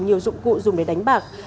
nhiều dụng cụ dùng để đánh bạc